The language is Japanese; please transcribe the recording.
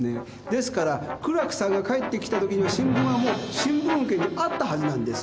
ですから苦楽さんが帰ってきた時には新聞はもう新聞受けにあったはずなんです。